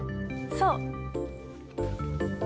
そう！